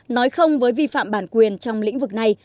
nói không với vi phạm bản quyền trong lĩnh vực này